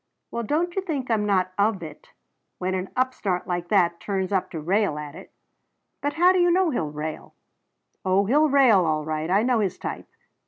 "Well, don't you think I'm not of it, when an upstart like that turns up to rail at it!" "But how do you know he'll rail?" "Oh he'll rail, all right. I know his type.